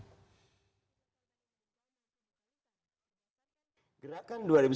terima kasih pak muldoko